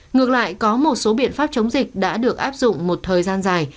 ngược lại có một số biện pháp chống dịch đã được áp dụng một thời gian dài